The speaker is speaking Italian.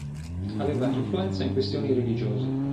Aveva influenza in questioni religiose.